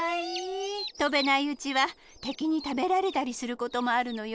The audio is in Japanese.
とべないうちはてきにたべられたりすることもあるのよ。